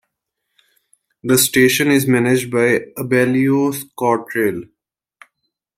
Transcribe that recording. The station is managed by Abellio ScotRail.